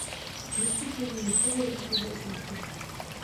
Městys leží na severovýchodě okresu.